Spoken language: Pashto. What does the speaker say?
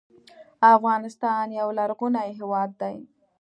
افغانستان یو لرغونی هیواد دی.